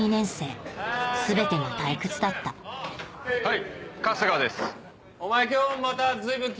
はい。